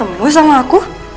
kamu mau ketemu sama aku